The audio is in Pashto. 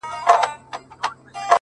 o څارنوال ته سو معلوم اصلیت د وروره,